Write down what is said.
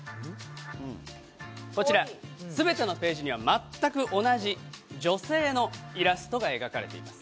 こちら全てのページにはまったく同じ女性のイラストが描かれています。